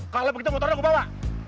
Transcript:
kalau begitu motornya aku bawa